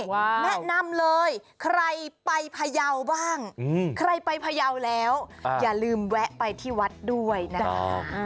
แนะนำเลยใครไปพยาวบ้างใครไปพยาวแล้วอย่าลืมแวะไปที่วัดด้วยนะครับ